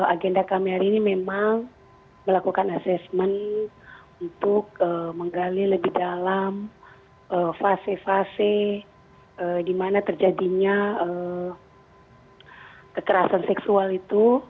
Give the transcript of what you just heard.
agenda kami hari ini memang melakukan asesmen untuk menggali lebih dalam fase fase di mana terjadinya kekerasan seksual itu